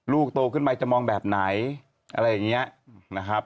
ลูกโตขึ้นไปจะมองแบบไหนอะไรอย่างนี้นะครับ